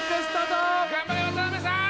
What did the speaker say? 頑張れ渡辺さーん！